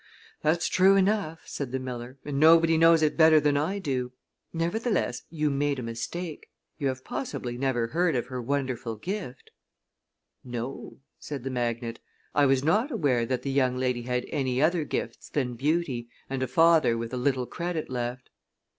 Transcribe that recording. "That's true enough," said the miller, "and nobody knows it better than I do. Nevertheless, you made a mistake. You have possibly never heard of her wonderful gift." "No," said the magnate. "I was not aware that the young lady had any other gifts than beauty and a father with a little credit left."